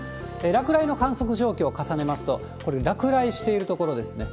落雷の観測状況を重ねますと、これ、落雷している所ですね。